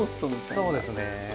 そうですね。